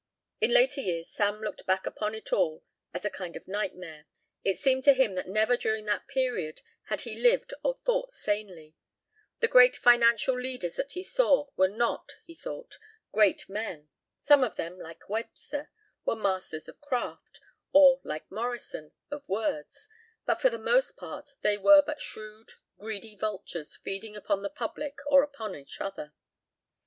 In later years Sam looked back upon it all as a kind of nightmare. It seemed to him that never during that period had he lived or thought sanely. The great financial leaders that he saw were not, he thought, great men. Some of them, like Webster, were masters of craft, or, like Morrison, of words, but for the most part they were but shrewd, greedy vultures feeding upon the public or upon each other.